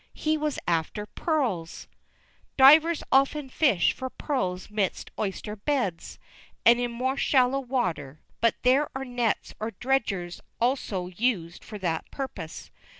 He was after pearls! Divers often fish for pearls midst oyster beds, and in more shallow water, but there are nets or dredgers also used for that purpose.